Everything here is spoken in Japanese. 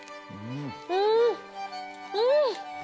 うんうん！